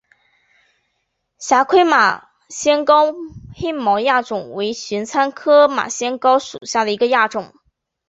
狭盔马先蒿黑毛亚种为玄参科马先蒿属下的一个亚种。